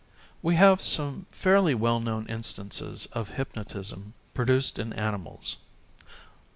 We have some fairly well known instances of hypnotism produced in animals.